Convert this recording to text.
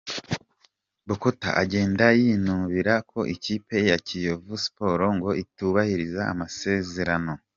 Bokota agenda yinubiraga ko ikipe ya Kiyovu Sport ngo itubahirizaga amasezerano.